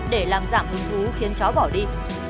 để làm giảm hứng thú khiến chó bỏ đi